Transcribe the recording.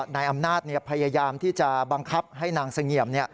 นายอำนาจพยายามที่จะบังคับให้นางเสงี่ยม